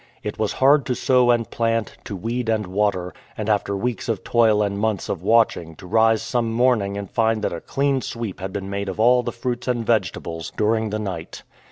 It was hard to sow and plant, to weed and water, and after weeks of toil and months of watching to rise some morn ing and find that a clean sweep had been made of all the fruits and vegetables during the night.